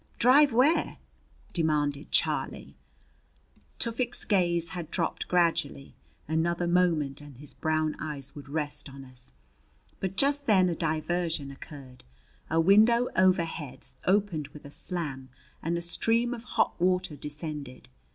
"Drive where?" demanded Charlie. Tufik's gaze had dropped gradually another moment and his brown eyes would rest on us. But just then a diversion occurred. A window overhead opened with a slam and a stream of hot water descended.